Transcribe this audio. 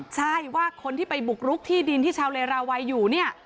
ใช่ว่าคนที่ไปบุกรุกที่ดินที่ชาวเลราวัยอยู่เนี่ย